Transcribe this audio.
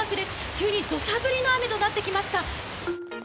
急に土砂降りの雨となってきました。